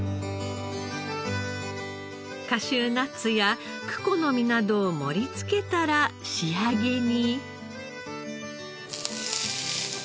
カシューナッツやクコの実などを盛り付けたら仕上げに。